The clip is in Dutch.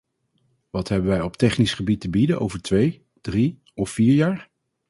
Wat hebben wij op technisch gebied te bieden over twee, drie of vier jaar?